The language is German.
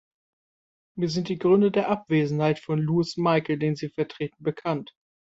Mir sind die Gründe der Abwesenheit von Louis Michel, den Sie vertreten, bekannt.